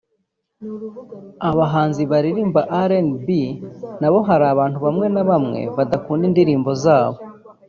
Abahanzi baririmba RnB nabo hari abantu bamwe na bamwe badakunda indirimbo zabo